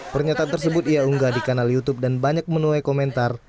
pernyataan tersebut ia unggah di kanal youtube dan banyak menuai komentar